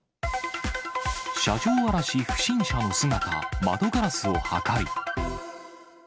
車上荒らし不審者の姿、窓ガラスを破壊。